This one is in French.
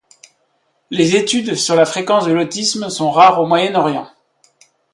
Les études sur la fréquence de l'autisme sont rares au Moyen-orient.